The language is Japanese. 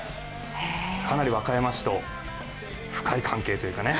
かなり和歌山市と深い関係というかね。